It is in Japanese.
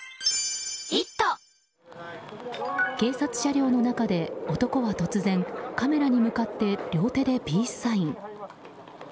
警察車両の中で、男は突然カメラに向かって両手でピースサイン。